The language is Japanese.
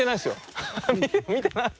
見てない。